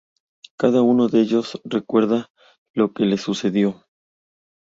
Cada uno de ellos recuerda lo que les sucedió.